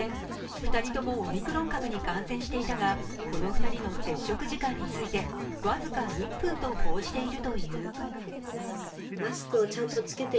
２人ともオミクロン株に感染していたがこの２人の接触時間についてわずか１分と報じている。